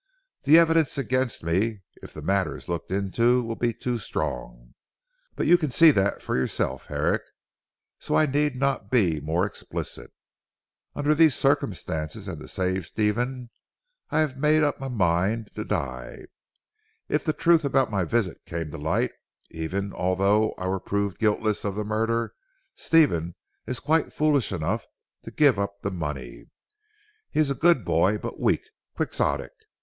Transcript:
The evidence against me, if the matter is looked into, will be too strong. But you can see that for yourself Herrick, so I need not be more explicit. Under these circumstances and to save Stephen I have made up my mind to die. If the truth about my visit came to light, even although I were proved guiltless of the murder, Stephen is quite foolish enough to give up the money. He is a good boy but weak, quixotic.